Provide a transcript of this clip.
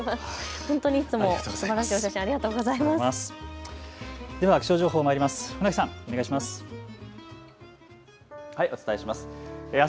本当にいつもすばらしい写真、ありがとうございます。